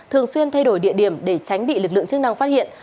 thường xuyên thay đổi địa điểm để tránh bị lực lượng chức năng phát hiện